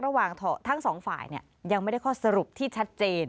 ระหว่างทั้งสองฝ่ายยังไม่ได้ข้อสรุปที่ชัดเจน